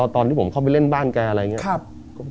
ตอนที่ผมเข้าไปเล่นบ้านแกอะไรอย่างนี้